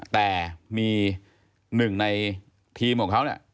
แต่มีหนึ่งในทีมของเขาเนี่ย